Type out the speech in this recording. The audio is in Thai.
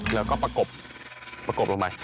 แล้วก็ประกบประกบลงไป